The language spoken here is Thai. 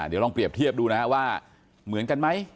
เดี๋ยวลองเปรียบเทียบดูนะครับว่าเหมือนกันไหม